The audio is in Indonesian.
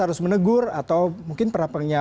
harus menegur atau mungkin pernah punya